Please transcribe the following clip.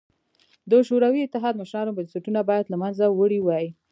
د شوروي اتحاد مشرانو بنسټونه باید له منځه وړي وای